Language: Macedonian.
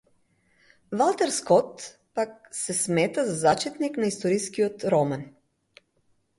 Валтер Скот, пак, се смета за зачетник на историскиот роман.